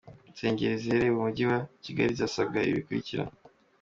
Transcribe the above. Insengero ziherereye mu mujyi wa Kigali zirasabwa ibi bikurikira:.